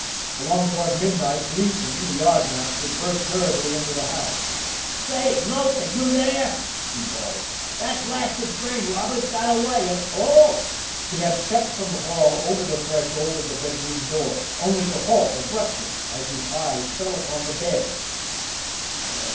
Along toward midnight, Gleason, the yard master, burst hurriedly into the house. "Say, Nulty, you there!" he bawled. "That blasted train robber's got away, and oh!" He had stepped from the hall over the threshold of the bedroom door, only to halt abruptly as his eyes fell upon the bed.